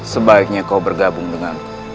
sebaiknya kau bergabung denganku